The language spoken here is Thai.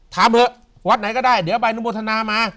เถอะวัดไหนก็ได้เดี๋ยวไปอนุโมทนามา